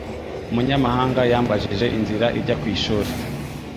Umunyamahanga yambajije inzira ijya ku ishuri.